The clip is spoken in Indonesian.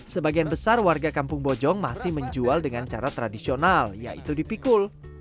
sebagian besar warga kampung bojong masih menjual dengan cara tradisional yaitu dipikul